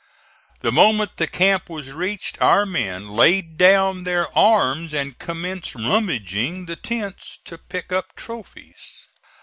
The moment the camp was reached our men laid down their arms and commenced rummaging the tents to pick up trophies.